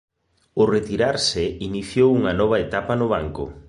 Ó retirarse iniciou unha nova etapa no banco.